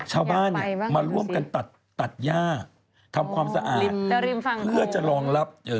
ชาวบ้านมาร่วมกันตัดยาทำความสะอาด